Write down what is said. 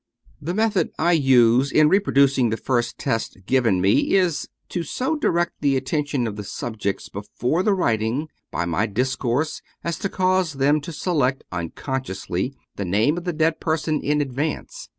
The method I use in reproducing the first test given me, is to so direct the attention of the subjects before the writ ing, by my discourse, as to cause them to select uncon sciously the name of the dead person in advance.